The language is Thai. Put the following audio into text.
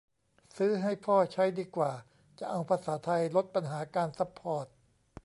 ซื้อให้พ่อใช้ดีกว่า จะเอาภาษาไทย ลดปัญหาการซัพพอร์ต !